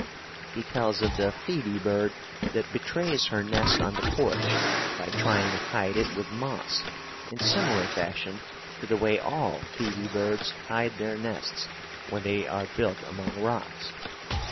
He tells of the phoebe bird that betrays her nest on the porch by trying to hide it with moss in similar fashion to the way all phoebe birds hide their nests when they are built among rocks.